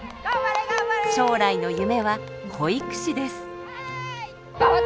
将来の夢は保育士です。